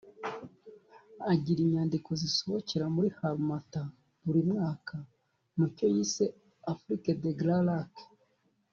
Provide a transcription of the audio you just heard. Agira inyandiko zisohokera muri L’Harmattan buri mwaka mu cyo yise Afrique des Grands Lacs